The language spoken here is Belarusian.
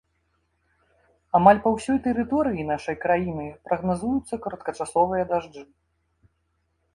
Амаль па ўсёй тэрыторыі нашай краіны прагназуюцца кароткачасовыя дажджы.